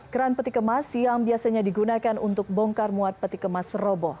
keran peti kemas yang biasanya digunakan untuk bongkar muat peti kemas roboh